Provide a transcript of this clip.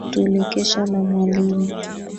Tulikesha na mwalimu